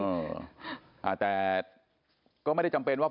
อ่าแต่ก็ไม่ได้จำเป็นว่า